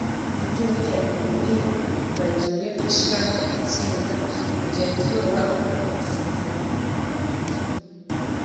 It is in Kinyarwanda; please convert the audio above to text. mu byumweru bibiri bagiye gushyiraho itsinda rigenzura uko aya masezerano yubahirizwa